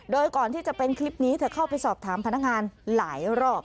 โดยก่อนที่จะเป็นคลิปนี้เธอเข้าไปสอบถามพนักงานหลายรอบ